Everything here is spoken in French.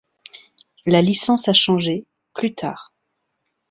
La licence a changé, plus tard.